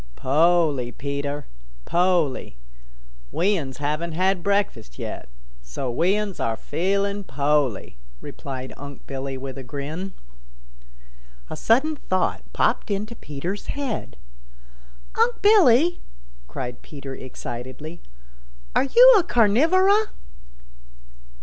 "Po'ly, Peter, Po'ly. We uns haven't had breakfast yet, so we uns are feeling po'ly," replied Unc' Billy with a grin. A sudden thought popped into Peter's head. "Unc' Billy," cried Peter excitedly, "are you a Carnivora?"